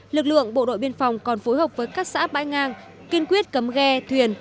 lực lượng bộ đội biên phòng còn phối hợp với các xã bãi ngang kiên quyết cấm ghe thuyền